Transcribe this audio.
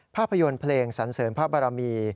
ภาพยนตร์เพลงสันเสริญพระบรมี